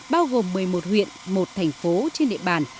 bao gồm một mươi một huyện một thành phố trên địa bàn